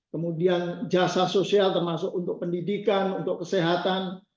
kemudian jasa sosial termasuk untuk pendidikan untuk kesehatan